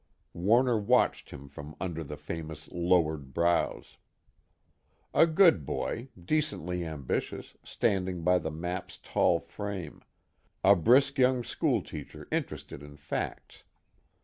Warner watched him from under the famous lowered brows. A good boy, decently ambitious, standing by the map's tall frame, a brisk young schoolteacher interested in facts.